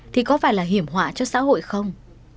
thì có phải là hiểm họa cho xã hội không